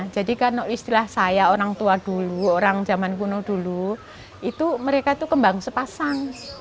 jadi karena istilah saya orang tua dulu orang zaman kuno dulu itu mereka itu kembang sepasang